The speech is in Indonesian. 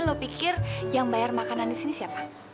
lu pikir yang bayar makanan disini siapa